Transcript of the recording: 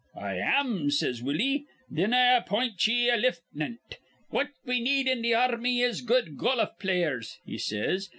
'I am,' says Willie. 'Thin I appint ye a liftnant. What we need in th' ar rmy is good goluf players,' he says.